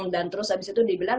dan terus abis itu dia bilang